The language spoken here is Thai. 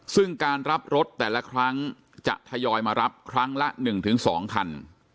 ซึ่งการรับรถแต่ละครั้งจะทยอยมารับครั้งละ๑๒คัน